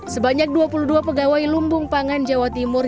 sebanyak dua puluh dua pegawai lumbung pangan jawa timur